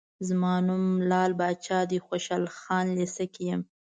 زما نوم لعل پاچا دی، خوشحال خان لېسه کې یم.